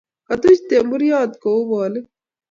katuch temburyot kou polik